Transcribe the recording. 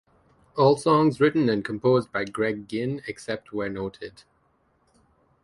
All songs written and composed by Greg Ginn, except where noted.